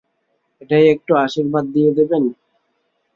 এটায় একটু আশীর্বাদ দিয়ে দেবেন?